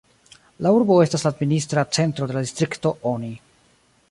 La urbo estas la administra centro de la distrikto Oni.